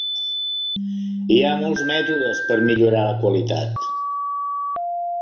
Hi ha molts mètodes per millorar la qualitat.